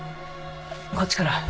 こっちかな。